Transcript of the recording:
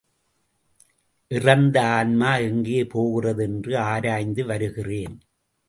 இறந்த ஆன்மா எங்கே போகிறது என்று ஆராய்ந்து வருகிறேன்.